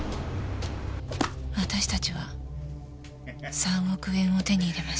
私たちは３億円を手に入れました。